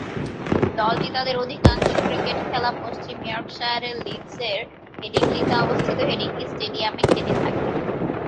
দলটি তাদের অধিকাংশ ক্রিকেট খেলা পশ্চিম ইয়র্কশায়ারের লিডসের হেডিংলিতে অবস্থিত হেডিংলি স্টেডিয়ামে খেলে থাকে।